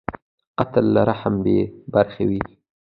قاتل له رحم بېبرخې وي